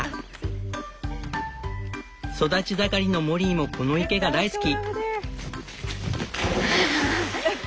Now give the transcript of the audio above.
育ち盛りのモリーもこの池が大好き。